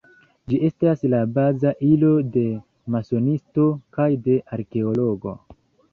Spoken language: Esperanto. Ĝi estas la baza ilo de masonisto kaj de arkeologo.